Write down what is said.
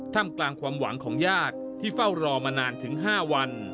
ทำกลางความหวังของญาติที่เฝ้ารอมานานถึง๕วัน